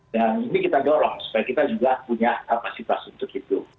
ini kita dorong supaya kita juga punya kapasitas untuk itu